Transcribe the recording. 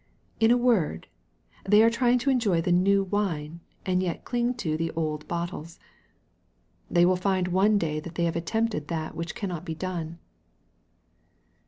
In a word, they are trying to enjoy the " new wine," and yet to cling to the " old bottles/ 36 EXPOSITORY THOUGHTS. They will find one day that they have attempted that which cannot be done.